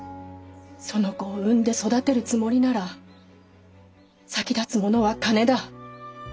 その子を産んで育てるつもりなら先立つものは金だ。